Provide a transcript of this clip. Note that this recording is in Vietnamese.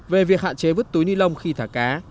về việc hạn chế vứt túi ni lông khi thả cá